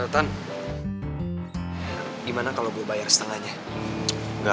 gimana kalau gue bayar setengahnya